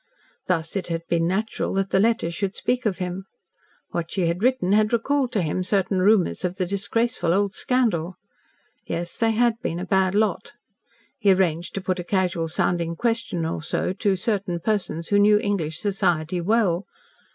Thus, it had been natural that the letters should speak of him. What she had written had recalled to him certain rumours of the disgraceful old scandal. Yes, they had been a bad lot. He arranged to put a casual sounding question or so to certain persons who knew English society well.